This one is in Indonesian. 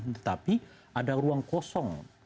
tetapi ada ruang kosong